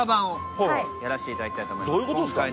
やらせていただきたいと思います